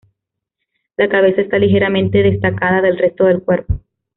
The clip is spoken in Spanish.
La cabeza está ligeramente destacada del resto del cuerpo.